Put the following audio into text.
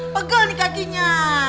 pegel nih kakinya